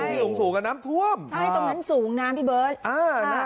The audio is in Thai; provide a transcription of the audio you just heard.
ใช่ตรงนั้นน้ำสูงพี่เบิร์ท